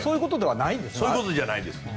そういうことじゃないんですね。